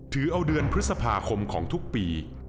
ถือเอาเดือนพฤษภาคมของทุกปี